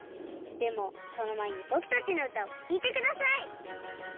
でもそのまえにぼくたちのうたをきいてください！